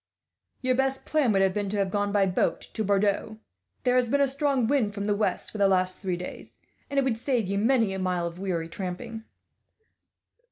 "Your best plan would have been to have gone by boat to Bordeaux. There has been a strong wind from the west, for the last three days, and it would save you many a mile of weary tramping."